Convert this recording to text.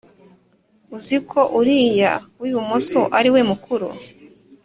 uziko uriya wi ibumoso ariwe mukuru